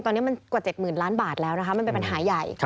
ตอนนี้มันกว่า๗๐๐ล้านบาทแล้วนะคะมันเป็นปัญหาใหญ่